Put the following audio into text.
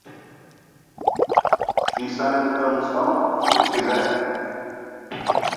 She sang the film's song, "Witch's Egg".